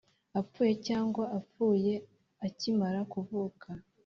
apfuye cyangwa wapfuye akimara kuvuka